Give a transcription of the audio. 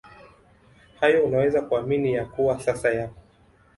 hayo Unaweza kuamini ya kuwa sasa yako